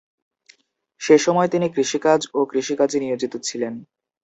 সে সময় তিনি কৃষিকাজ ও কৃষিকাজে নিয়োজিত ছিলেন।